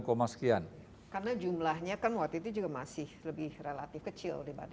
karena jumlahnya kan waktu itu juga masih lebih relatif kecil dibanding sekarang